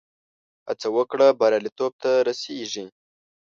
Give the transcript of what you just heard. هڅه وکړه، بریالیتوب ته رسېږې.